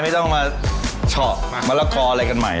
ไม่ต้องมาเฉาะหักมะละกออะไรกันใหม่